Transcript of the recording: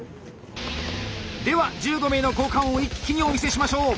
では１５名の交換を一気にお見せしましょう！